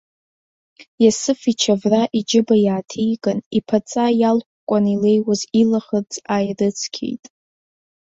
Иасыф ичавра иџьыба иааҭиган иԥаҵа иалкәкәаны илеиуаз илаӷырӡ ааирыцқьеит.